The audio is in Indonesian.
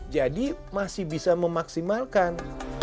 jadi masih bisa memaksimalkan